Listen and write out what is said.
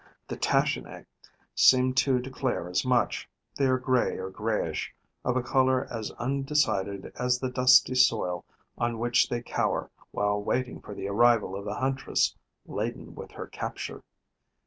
The Tachinae seem to declare as much: they are grey or greyish, of a colour as undecided as the dusty soil on which they cower while waiting for the arrival of the huntress laden with her capture.